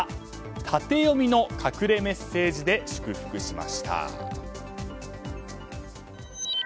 縦読みの隠れメッセージで祝福しました。